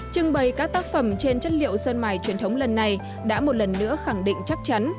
trưng bày các tác phẩm trên chất liệu sơn mài truyền thống lần này đã một lần nữa khẳng định chắc chắn